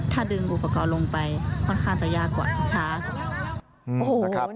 ถ้าดึงอุปกรณ์ลงไปค่อนข้างจะยากกว่าที่ช้ากว่า